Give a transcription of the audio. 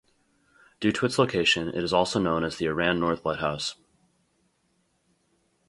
Due to its location it is also known as the Aran North Lighthouse.